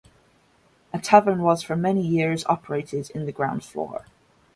A tavern was for many years operated in the ground floor.